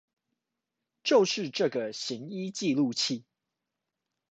就是這個行醫記錄器